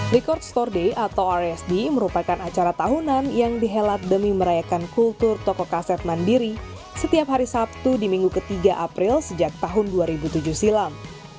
record store day atau rsd merupakan acara tahunan yang dihelat demi merayakan kultur toko kaset mandiri setiap hari sabtu di minggu ketiga april sejak tahun dua ribu tujuh silam